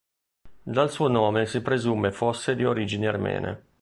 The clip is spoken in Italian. Dal suo nome si presume fosse di origini armene.